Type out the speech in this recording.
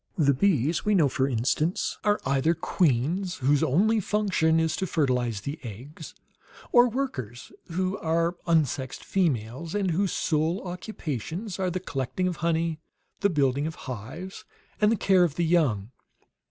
The bees we know, for instance, are either queens, whose only function is to fertilize the eggs; or workers, who are unsexed females, and whose sole occupations are the collecting of honey, the building of hives, and the care of the young.